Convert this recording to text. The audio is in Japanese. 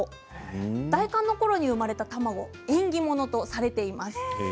大寒のころに生まれた卵縁起物とされています。